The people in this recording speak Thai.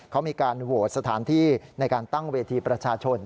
เขามีการโหวตสถานที่ในการตั้งเวทีประชาชน